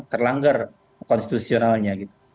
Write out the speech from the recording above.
terlanggar konstitusionalnya gitu